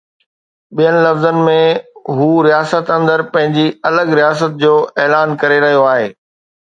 ٻين لفظن ۾ هو رياست اندر پنهنجي الڳ رياست جو اعلان ڪري رهيو آهي